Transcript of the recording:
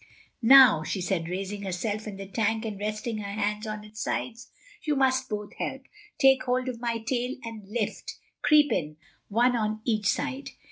"Now," she said, raising herself in the tank and resting her hands on its side. "You must both help—take hold of my tail and lift. Creep in—one on each side."